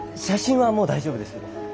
写真はもう大丈夫です。